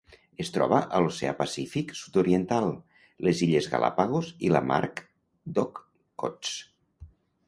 Es troba a l'Oceà Pacífic sud-oriental: les Illes Galápagos i la Mar d'Okhotsk.